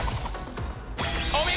お見事。